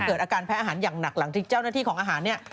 เกิดอาการแพ้อาหารอย่างหนักหลังจากที่เจ้าหน้าที่ของอาหารเนี่ย